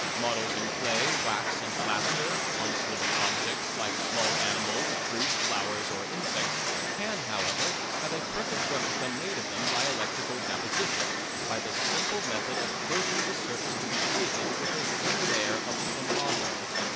Models in clay, wax and plaster, once living objects like small animals, fruit, flowers or insects, can, however, have a perfect replica made of them by electrical deposition, by the simple method of coating the surface to be plated with a thin layer of plumbago.